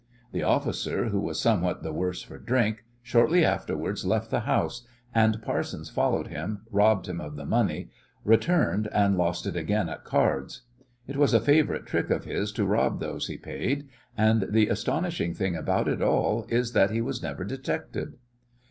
The officer, who was somewhat the worse for drink, shortly afterwards left the house, and Parsons followed him, robbed him of the money, returned, and lost it again at cards. It was a favourite trick of his to rob those he paid, and the astonishing thing about it all is that he was never detected.